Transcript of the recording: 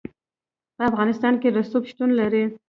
په افغانستان کې رسوب شتون لري.